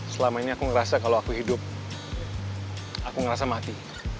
selama ini aku ngerasa kalau aku hidup aku ngerasa mati